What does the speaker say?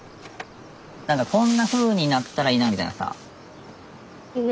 何かこんなふうになったらいいなみたいなさ。